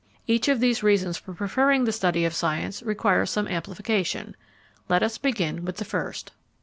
Each of these reasons for preferring the study of science requires some amplification. Let us begin with the first.